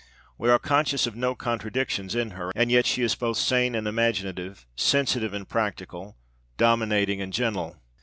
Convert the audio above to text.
We are conscious of no contradictions in her, and yet she is both sane and imaginative, sensitive and practical, dominating and gentle.